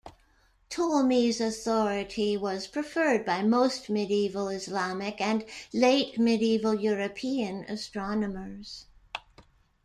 Ptolemy's authority was preferred by most medieval Islamic and late medieval European astronomers.